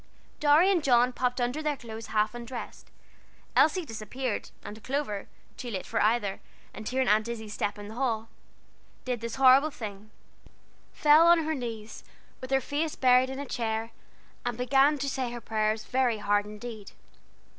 Dorry and John popped under the clothes half undressed, Elsie disappeared, and Clover, too late for either, and hearing Aunt Izzie's step in the hall, did this horrible thing fell on her knees, with her face buried in a chair, and began to say her prayers very hard indeed.